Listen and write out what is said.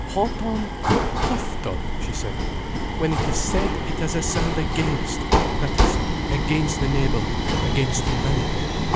"Houghton—! Huff ton!" she said. "When it is said, it has a sound against: that is, against the neighbour, against humanity.